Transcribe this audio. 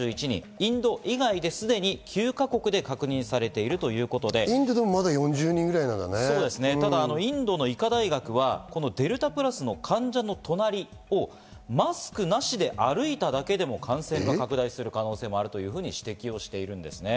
インド以外ですでに９か国で確認されていて、インドの医科大学はデルタプラスの患者の隣をマスクなしで歩いただけでも感染が拡大する可能性もあると指摘しているんです。